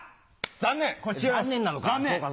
残念！